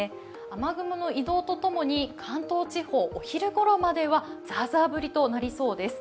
雨雲の移動とともに関東地方、お昼ごろまではザーザー降りとなりそうです。